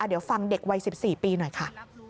เดี๋ยวฟังเด็กวัย๑๔ปีหน่อยค่ะ